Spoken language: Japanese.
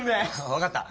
わかった。